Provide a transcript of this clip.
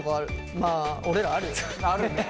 まあ俺らあるよね。